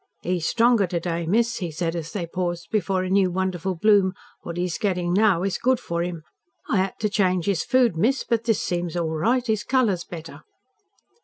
"He's stronger to day, miss," he said, as they paused before a new wonderful bloom. "What he's getting now is good for him. I had to change his food, miss, but this seems all right. His colour's better."